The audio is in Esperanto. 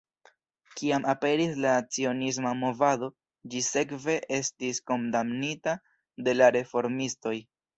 Kiam aperis la cionisma movado, ĝi sekve estis kondamnita de la reformistoj.